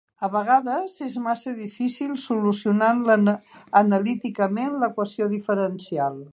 A vegades és massa difícil solucionant analíticament l'equació diferencial.